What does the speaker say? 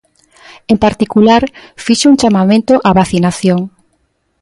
En particular, fixo un chamamento á vacinación.